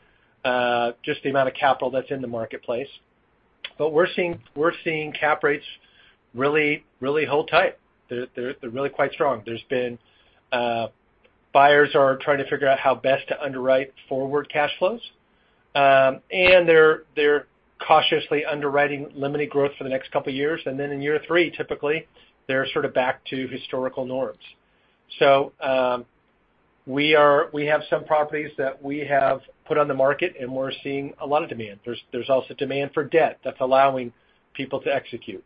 just the amount of capital that's in the marketplace. We're seeing cap rates really hold tight. They're really quite strong. Buyers are trying to figure out how best to underwrite forward cash flows. They're cautiously underwriting limited growth for the next couple of years, then in year three, typically, they're sort of back to historical norms. We have some properties that we have put on the market, and we're seeing a lot of demand. There's also demand for debt that's allowing people to execute.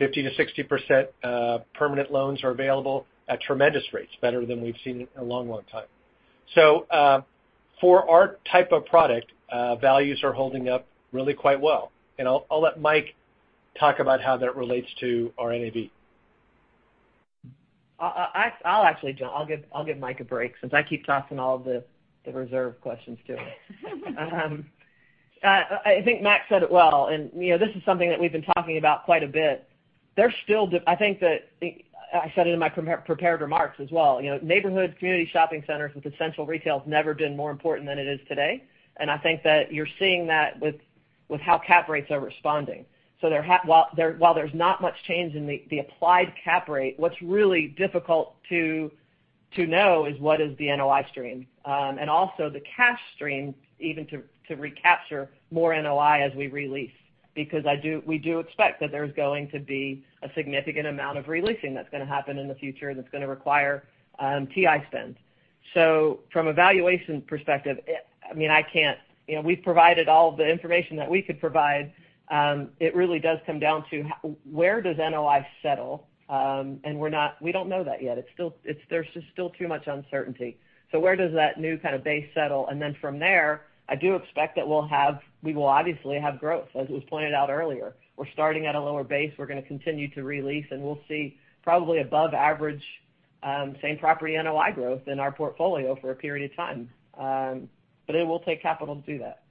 50%-60% permanent loans are available at tremendous rates, better than we've seen in a long time. For our type of product, values are holding up really quite well. I'll let Mike talk about how that relates to our NAV. I'll actually give Mike a break since I keep tossing all of the reserve questions to him. I think Mac said it well. This is something that we've been talking about quite a bit. I said it in my prepared remarks as well. Neighborhood community shopping centers with essential retail has never been more important than it is today. I think that you're seeing that with how cap rates are responding. While there's not much change in the applied cap rate, what's really difficult to know is what is the NOI stream. Also the cash stream, even to recapture more NOI as we re-lease. We do expect that there's going to be a significant amount of re-leasing that's going to happen in the future, and it's going to require TI spend. From a valuation perspective, we've provided all the information that we could provide. It really does come down to where does NOI settle? We don't know that yet. There's just still too much uncertainty. Where does that new kind of base settle? From there, I do expect that we will obviously have growth, as was pointed out earlier. We're starting at a lower base. We're going to continue to re-lease, and we'll see probably above average same-property NOI growth in our portfolio for a period of time. It will take capital to do that.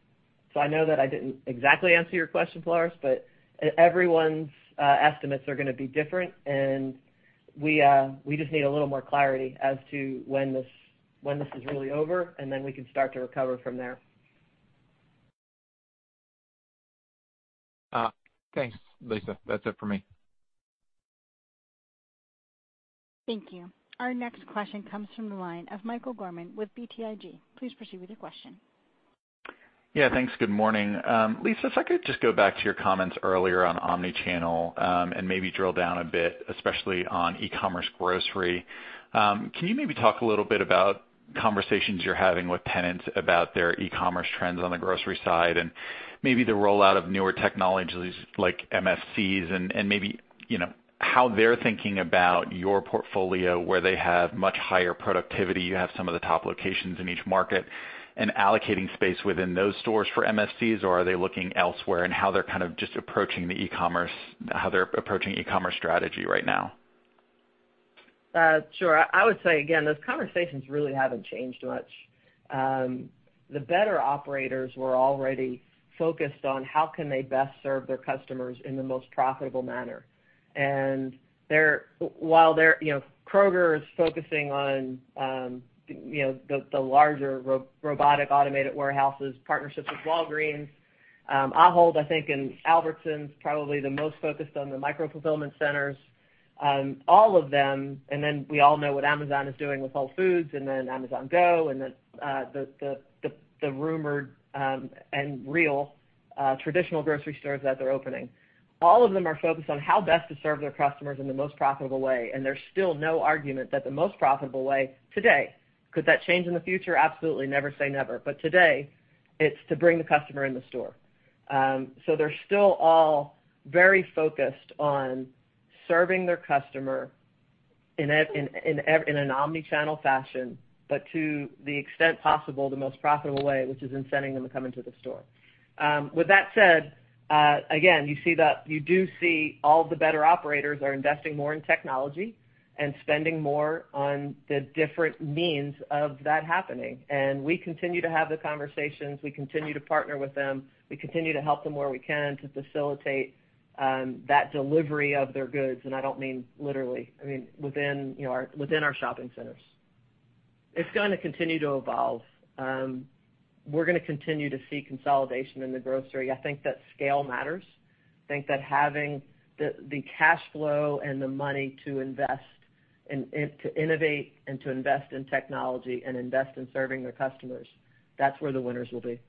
I know that I didn't exactly answer your question, Floris, but everyone's estimates are going to be different, and we just need a little more clarity as to when this is really over, and then we can start to recover from there. Thanks, Lisa. That's it for me. Thank you. Our next question comes from the line of Michael Gorman with BTIG. Please proceed with your question. Thanks. Good morning. Lisa, if I could just go back to your comments earlier on omni-channel, and maybe drill down a bit, especially on e-commerce grocery. Can you maybe talk a little bit about conversations you're having with tenants about their e-commerce trends on the grocery side, and maybe the rollout of newer technologies like MFCs and maybe how they're thinking about your portfolio, where they have much higher productivity. You have some of the top locations in each market and allocating space within those stores for MFCs, or are they looking elsewhere, and how they're kind of just approaching the e-commerce strategy right now. Sure. I would say, again, those conversations really haven't changed much. The better operators were already focused on how can they best serve their customers in the most profitable manner. While Kroger is focusing on the larger robotic automated warehouses, partnerships with Walgreens, Ahold, I think, and Albertsons, probably the most focused on the micro-fulfillment centers. All of them, then we all know what Amazon is doing with Whole Foods and then Amazon Go and the rumored and real traditional grocery stores that they're opening. All of them are focused on how best to serve their customers in the most profitable way. There's still no argument that the most profitable way today, could that change in the future? Absolutely. Never say never. Today, it's to bring the customer in the store. They're still all very focused on serving their customer in an omnichannel fashion, but to the extent possible, the most profitable way, which is in sending them to come into the store. With that said, again, you do see all the better operators are investing more in technology and spending more on the different means of that happening. We continue to have the conversations. We continue to partner with them. We continue to help them where we can to facilitate that delivery of their goods. I don't mean literally, I mean within our shopping centers. It's going to continue to evolve. We're going to continue to see consolidation in the grocery. I think that scale matters. I think that having the cash flow and the money to invest and to innovate and to invest in technology and invest in serving their customers, that's where the winners will be.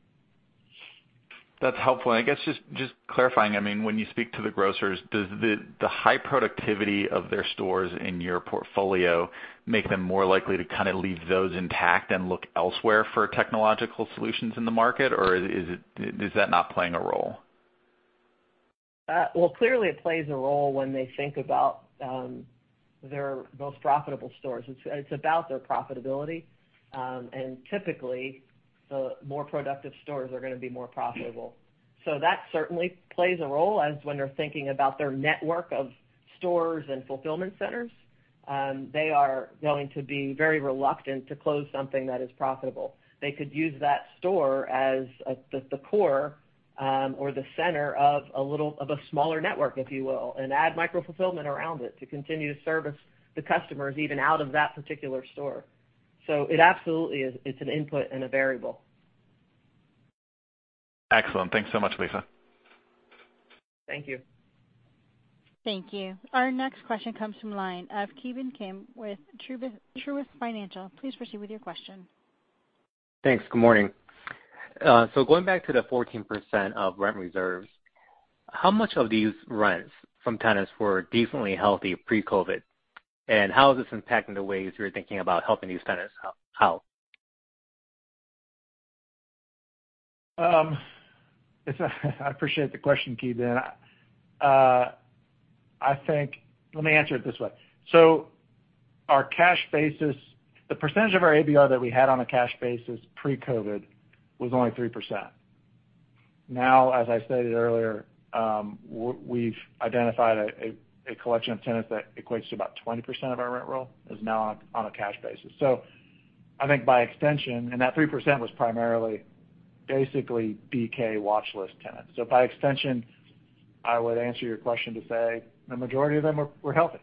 That's helpful. I guess just clarifying, when you speak to the grocers, does the high productivity of their stores in your portfolio make them more likely to kind of leave those intact and look elsewhere for technological solutions in the market? Or is that not playing a role? Well, clearly it plays a role when they think about their most profitable stores. It's about their profitability. Typically, the more productive stores are going to be more profitable. That certainly plays a role as when they're thinking about their network of stores and fulfillment centers. They are going to be very reluctant to close something that is profitable. They could use that store as the core, or the center of a smaller network, if you will, and add micro fulfillment around it to continue to service the customers, even out of that particular store. It absolutely is, it's an input and a variable. Excellent. Thanks so much, Lisa. Thank you. Thank you. Our next question comes from the line of Ki Bin Kim with Truist Financial. Please proceed with your question. Thanks. Good morning. Going back to the 14% of rent reserves, how much of these rents from tenants were decently healthy pre-COVID? How is this impacting the ways you're thinking about helping these tenants out? I appreciate the question, Ki Bin. Let me answer it this way. The percentage of our ABR that we had on a cash basis pre-COVID was only 3%. Now, as I stated earlier, we've identified a collection of tenants that equates to about 20% of our rent roll is now on a cash basis. That 3% was primarily basically BK watch list tenants. By extension, I would answer your question to say the majority of them were healthy.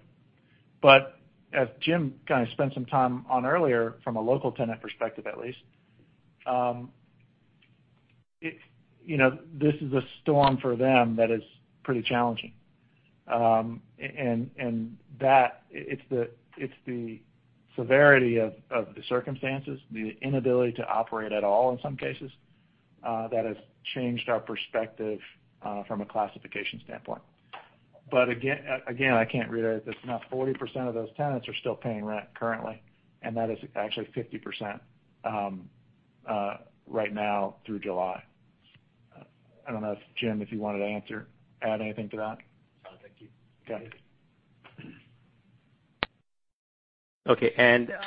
As Jim kind of spent some time on earlier, from a local tenant perspective at least, this is a storm for them that is pretty challenging. It's the severity of the circumstances, the inability to operate at all in some cases, that has changed our perspective from a classification standpoint. Again, I can't reiterate this enough, 40% of those tenants are still paying rent currently, and that is actually 50% right now through July. I don't know, Jim, if you wanted to add anything to that. No, thank you. Okay.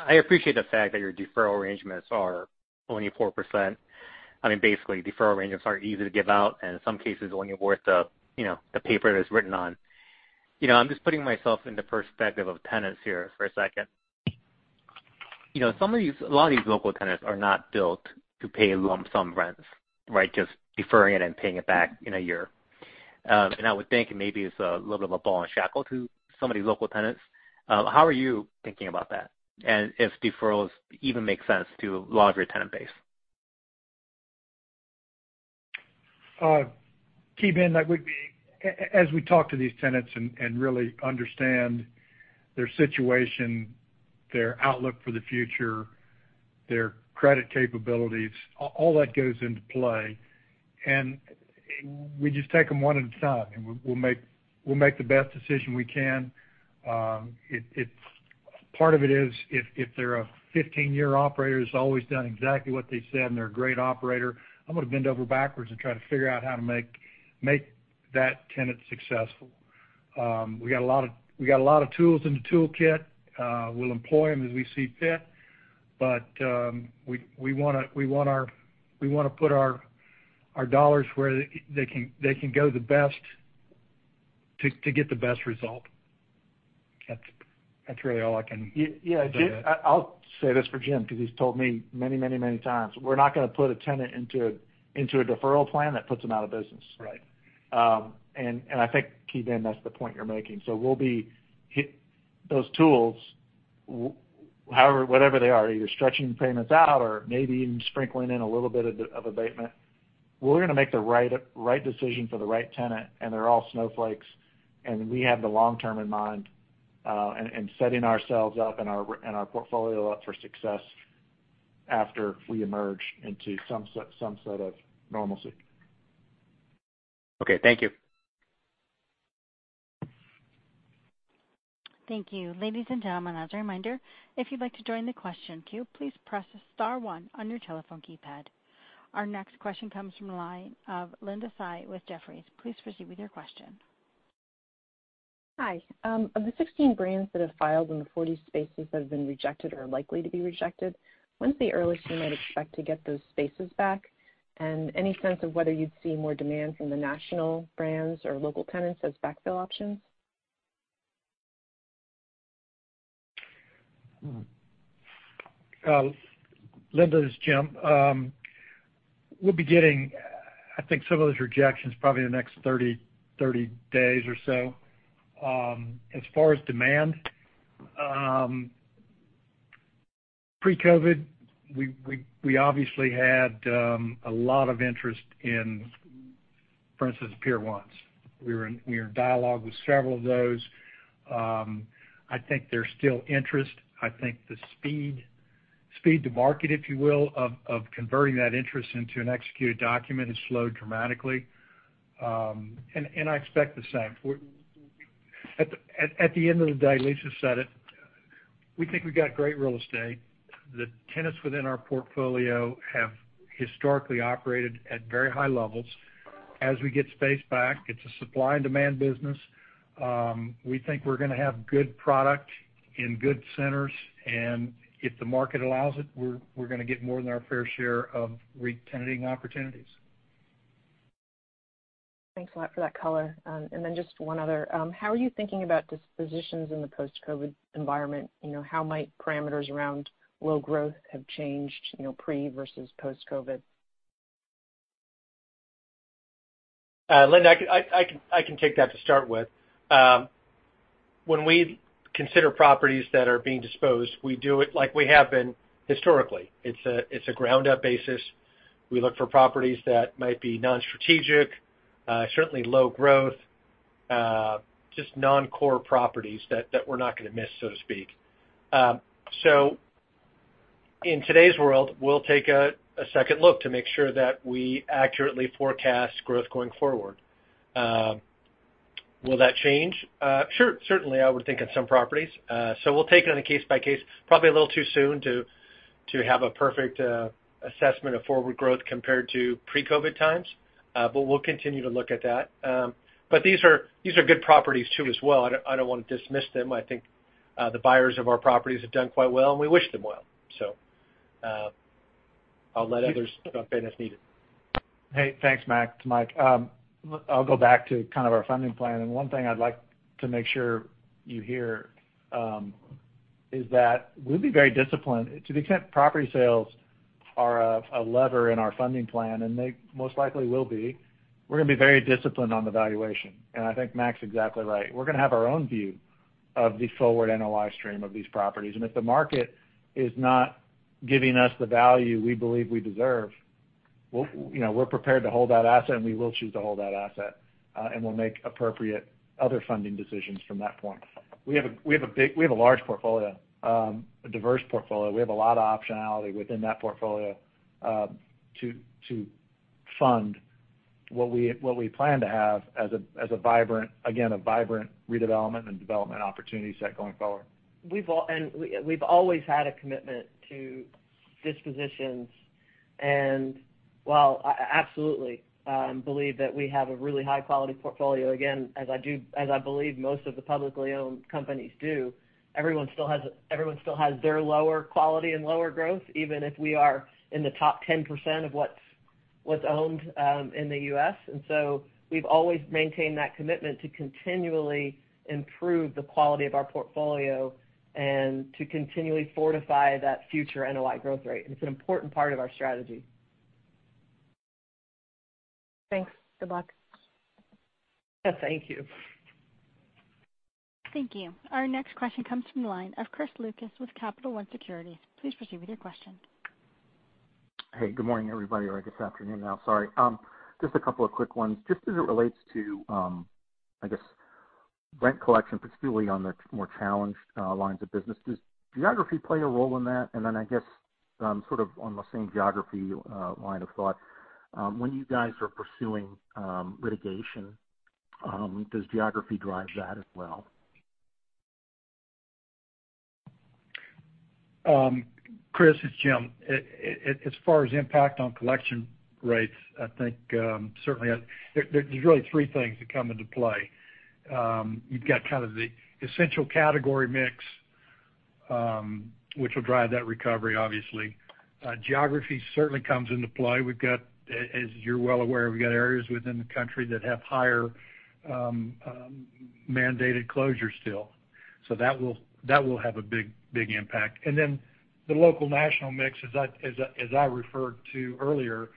I appreciate the fact that your deferral arrangements are only 4%. Basically, deferral arrangements aren't easy to give out, and in some cases, only worth the paper it is written on. I'm just putting myself in the perspective of tenants here for a second. A lot of these local tenants are not built to pay lump sum rents. Just deferring it and paying it back in a year. I would think maybe it's a little bit of a ball and shackle to some of these local tenants. How are you thinking about that? If deferrals even make sense to a larger tenant base. Ki Bin, as we talk to these tenants and really understand their situation, their outlook for the future, their credit capabilities, all that goes into play. We just take them one at a time, and we'll make the best decision we can. Part of it is, if they're a 15-year operator who's always done exactly what they said, and they're a great operator, I'm going to bend over backwards and try to figure out how to make that tenant successful. We got a lot of tools in the toolkit. We'll employ them as we see fit, but we want to put our dollars where they can go the best to get the best result. That's really all I can say. Yeah. I'll say this for Jim, because he's told me many times, we're not going to put a tenant into a deferral plan that puts them out of business. Right. I think, Ki Bin, that's the point you're making. We'll be hit those tools, whatever they are. Either stretching payments out or maybe even sprinkling in a little bit of abatement. We're going to make the right decision for the right tenant, and they're all snowflakes, and we have the long term in mind, and setting ourselves up and our portfolio up for success after we emerge into some set of normalcy. Okay. Thank you. Thank you. Ladies and gentlemen, as a reminder, if you'd like to join the question queue, please press star one on your telephone keypad. Our next question comes from the line of Linda Tsai with Jefferies. Please proceed with your question. Hi. Of the 16 brands that have filed and the 40 spaces that have been rejected or are likely to be rejected, when's the earliest we might expect to get those spaces back? Any sense of whether you'd see more demand from the national brands or local tenants as backfill options? Linda, this is Jim. We'll be getting, I think, some of those rejections probably in the next 30 days or so. As far as demand, pre-COVID, we obviously had a lot of interest in, for instance, Pier 1s. We were in dialogue with several of those. I think there's still interest. I think the speed to market, if you will, of converting that interest into an executed document has slowed dramatically. I expect the same. At the end of the day, Lisa said it, we think we got great real estate. The tenants within our portfolio have historically operated at very high levels. As we get space back, it's a supply and demand business. We think we're going to have good product in good centers, and if the market allows it, we're going to get more than our fair share of re-tenanting opportunities. Thanks a lot for that color. Then just one other. How are you thinking about dispositions in the post-COVID environment? How might parameters around low growth have changed pre versus post-COVID? Linda, I can take that to start with. When we consider properties that are being disposed, we do it like we have been historically. It's a ground-up basis. We look for properties that might be non-strategic, certainly low growth, just non-core properties that we're not going to miss, so to speak. In today's world, we'll take a second look to make sure that we accurately forecast growth going forward. Will that change? Certainly, I would think on some properties. We'll take it on a case by case. Probably a little too soon to have a perfect assessment of forward growth compared to pre-COVID times. We'll continue to look at that. These are good properties too as well. I don't want to dismiss them. I think the buyers of our properties have done quite well, and we wish them well. I'll let others jump in if needed. Thanks, Mac. It's Mike. I'll go back to kind of our funding plan, and one thing I'd like to make sure you hear is that we'll be very disciplined. To the extent property sales are a lever in our funding plan, and they most likely will be, we're going to be very disciplined on the valuation. I think Mac's exactly right. We're going to have our own view of the forward NOI stream of these properties. If the market is not giving us the value we believe we deserve, we're prepared to hold that asset, and we will choose to hold that asset, and we'll make appropriate other funding decisions from that point. We have a large portfolio, a diverse portfolio. We have a lot of optionality within that portfolio to fund what we plan to have as a vibrant, again, a vibrant redevelopment and development opportunity set going forward. We've always had a commitment to dispositions. While I absolutely believe that we have a really high-quality portfolio, again, as I believe most of the publicly owned companies do, everyone still has their lower quality and lower growth, even if we are in the top 10% of what's owned in the U.S. We've always maintained that commitment to continually improve the quality of our portfolio and to continually fortify that future NOI growth rate. It's an important part of our strategy. Thanks. Good luck. Thank you. Thank you. Our next question comes from the line of Chris Lucas with Capital One Securities. Please proceed with your question. Hey, good morning, everybody, or I guess afternoon now, sorry. Just a couple of quick ones. Just as it relates to, I guess, rent collection, particularly on the more challenged lines of business. Does geography play a role in that? I guess, on the same geography line of thought, when you guys are pursuing litigation, does geography drive that as well? Chris, it's Jim. As far as impact on collection rates, I think certainly there's really three things that come into play. You've got kind of the essential category mix, which will drive that recovery, obviously. Geography certainly comes into play. As you're well aware, we've got areas within the country that have higher mandated closures still. That will have a big impact. Then the local-national mix, as I referred to earlier,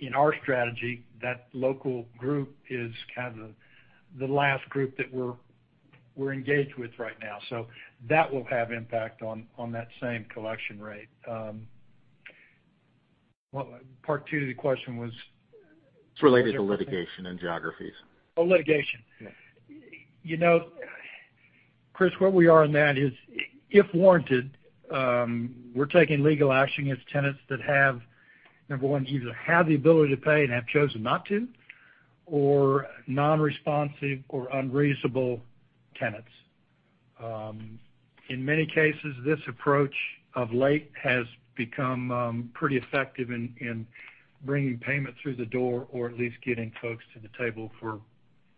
in our strategy, that local group is kind of the last group that we're engaged with right now. That will have impact on that same collection rate. Part two to the question was? It's related to litigation and geographies. Oh, litigation. Yeah. Chris, where we are on that is, if warranted, we're taking legal action against tenants that have, number one, either have the ability to pay and have chosen not to, or non-responsive or unreasonable tenants. In many cases, this approach of late has become pretty effective in bringing payment through the door or at least getting folks to the table for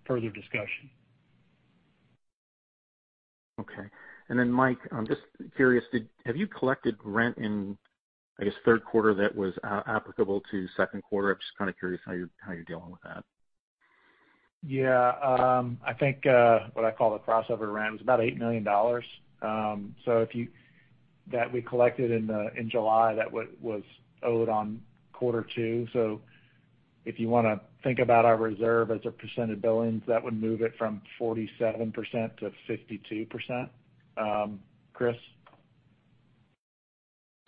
further discussion. Okay. Mike, I'm just curious, have you collected rent in third quarter that was applicable to second quarter? I'm just kind of curious how you're dealing with that. Yeah. I think what I call the crossover rent was about $8 million that we collected in July that was owed on quarter two. If you want to think about our reserve as a percent of billings, that would move it from 47% to 52%, Chris.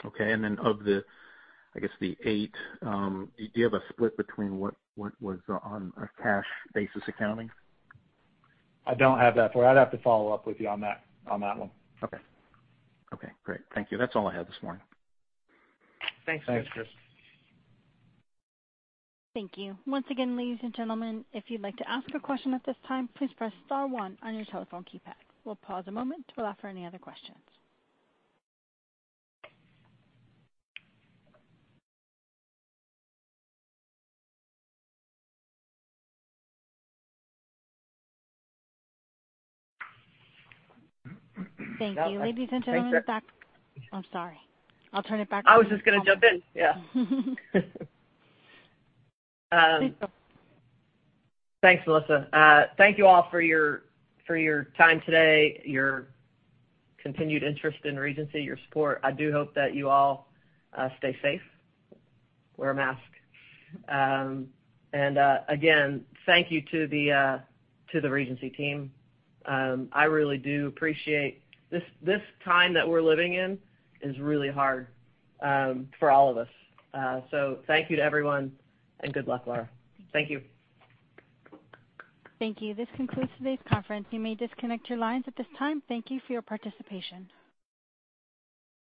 Okay, of the, I guess the eight, do you have a split between what was on a cash basis accounting? I don't have that. I'd have to follow up with you on that one. Okay. Great. Thank you. That's all I had this morning. Thanks, Chris. Thanks. Thank you. Once again, ladies and gentlemen, if you'd like to ask a question at this time, please press star one on your telephone keypad. We'll pause a moment to allow for any other questions. Thank you. Thanks, everyone. I'm sorry. I'll turn it back over to. I was just going to jump in. Yeah. Please go. Thanks, Melissa. Thank you all for your time today, your continued interest in Regency, your support. I do hope that you all stay safe, wear a mask. Again, thank you to the Regency team. I really do appreciate. This time that we're living in is really hard for all of us. Thank you to everyone, and good luck, Laura. Thank you. Thank you. This concludes today's conference. You may disconnect your lines at this time. Thank you for your participation.